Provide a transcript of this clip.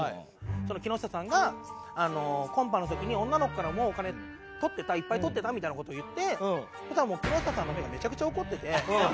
「木下さんがコンパの時に女の子からもお金取ってたいっぱい取ってた」みたいな事を言ってそしたら木下さんの目がめちゃくちゃ怒ってて。